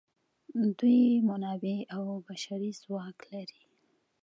دوی منابع او بشري ځواک لري.